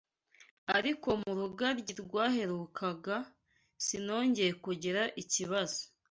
Ariko mu rugaryi rwaherukaga, sinongeye kugira ikibazo.